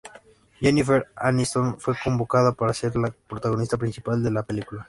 Jennifer Aniston fue convocada para ser la protagonista principal de la película.